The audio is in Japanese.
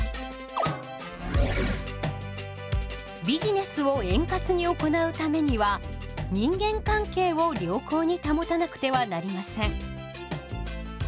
ビジネスを円滑に行うためには人間関係を良好に保たなくてはなりません。